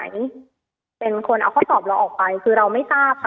เป็นคนเอาข้อสอบเราออกไปคือเราไม่ทราบค่ะ